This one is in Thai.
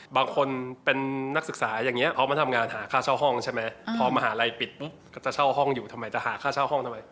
บางคนเป็นนักศึกษาอย่างนี้เขามาทำงานหาค่าเช่าห้องใช่ไหมพอมหาลัยปิดปุ๊บก็จะเช่าห้องอยู่ทำไมจะหาค่าเช่าห้องทำไม